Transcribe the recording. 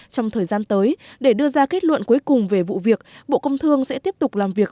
trong thời gian tới để đưa ra kết luận cuối cùng về vụ việc bộ công thương sẽ tiếp tục làm việc